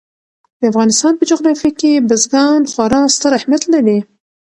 د افغانستان په جغرافیه کې بزګان خورا ستر اهمیت لري.